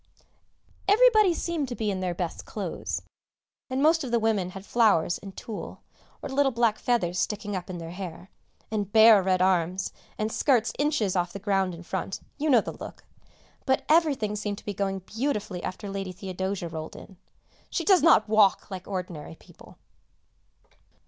Everybody seemed to be in their best clothes, and most of the women had flowers and tulle or little black feathers sticking up in their hair, and bare red arms, and skirts inches off the ground in front; you know the look. But everything seemed to be going beautifully after Lady Theodosia rolled in (she does not walk, like ordinary people)!